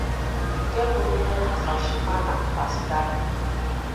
nke gụnyere Hafashimana Paskari